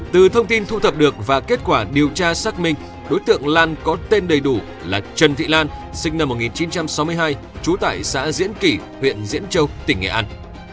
từ thông tin thu thập được và kết quả điều tra xác minh đối tượng lan có tên đầy đủ là trần thị lan sinh năm một nghìn chín trăm sáu mươi hai trú tại xã diễn kỷ huyện diễn châu tỉnh nghệ an